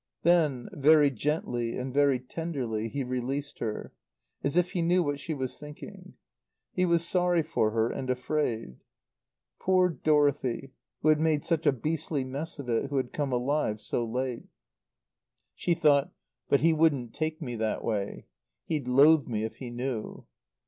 Then, very gently and very tenderly, he released her, as if he knew what she was thinking. He was sorry for her and afraid. Poor Dorothy, who had made such a beastly mess of it, who had come alive so late. She thought, "But he wouldn't take me that way. He'd loathe me if he knew."